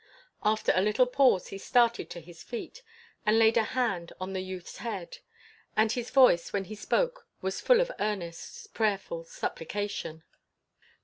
After a little pause he started to his feet and laid a hand on the youth's head, and his voice when he spoke was full of earnest, prayerful supplication.